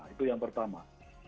itu yang pertama